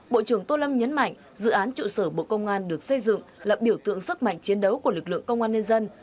bộ trưởng tô lâm nhấn mạnh dự án trụ sở bộ công an được xây dựng là biểu tượng sức mạnh chiến đấu của lực lượng công an nhân dân